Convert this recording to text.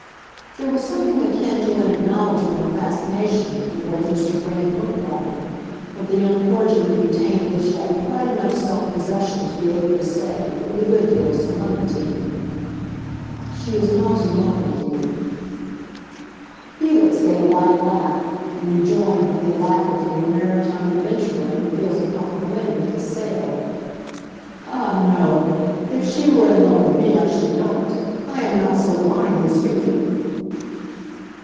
There was something akin to an acknowledgment of fascination in the way Mr. Brand looked at him; but the young clergyman retained as yet quite enough self possession to be able to say, with a good deal of solemnity, "She is not in love with you." Felix gave a light laugh, and rejoined with the alacrity of a maritime adventurer who feels a puff of wind in his sail. "Ah, no; if she were in love with me I should know it! I am not so blind as you."